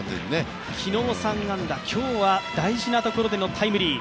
昨日３安打、今日は大事なところでのタイムリー。